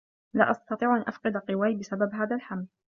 لا أستطيع أن أفقد قواي بسبب هذا الحمل.